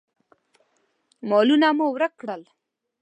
مالونه مو ورک کړل.